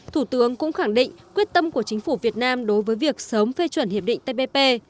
thủ tướng cũng khẳng định quyết tâm của chính phủ việt nam đối với việc sớm phê chuẩn hiệp định tpp